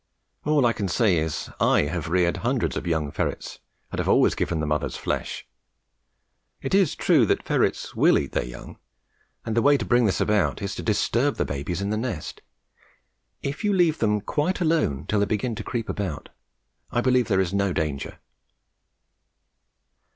All I can say is, I have reared hundreds of young ferrets and have always given the mothers flesh. It is true that ferrets will eat their young, and the way to bring this about is to disturb the babies in the nest. If you leave them quite alone till they begin to creep about I believe there is no danger.